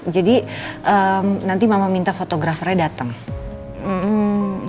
jadi nanti mama minta fotografernya dateng